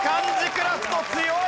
クラフト強い！